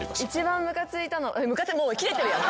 もうキレてるやん。